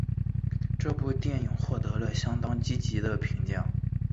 这部电影获得了相当积极的评价。